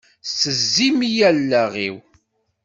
Tessezzim-iyi allaɣ-iw!